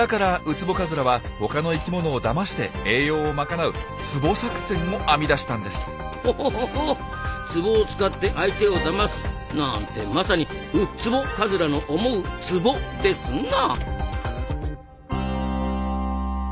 ツボを使って相手をだます。なんてまさにウ「ツボ」カズラの思うツボですな。